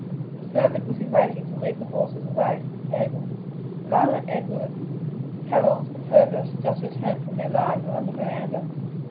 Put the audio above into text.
A servant was in waiting to lead the horses away to the stable. Violet, Edward, Harold and Herbert, just returned from their ride, were on the veranda.